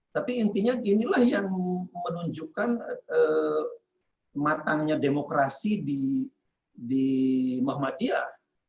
tapi intinya inilah yang menunjukkan matangnya demokrasi di muhammadiyah